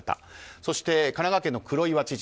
そして、神奈川県の黒岩知事。